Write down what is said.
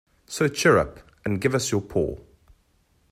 So cheer up, and give us your paw.